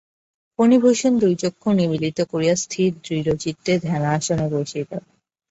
ফণিভূষণ দুই চক্ষু নিমীলিত করিয়া স্থির দৃঢ়চিত্তে ধ্যানাসনে বসিল।